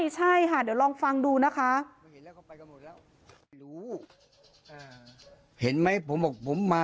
ใช่ค่ะเดี๋ยวลองฟังดูนะคะ